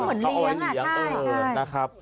เหมือนเลี้ยงใช่